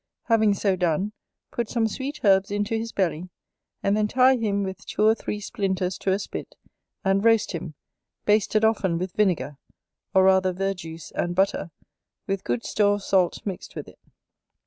Having so done, put some sweet herbs into his belly; and then tie him with two or three splinters to a spit, and roast him, basted often with vinegar, or rather verjuice and butter, with good store of salt mixed with it.